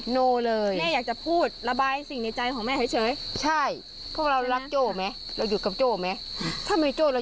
เนี่ยอยากจะพูดระบายสิ่งในใจมาแหม่เหอะเฉย